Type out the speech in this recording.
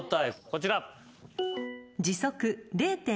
こちら。